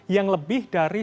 yang lebih dari satu